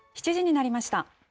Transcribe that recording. ７時になりました。